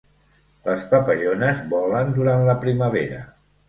Les papallones volen durant la primavera.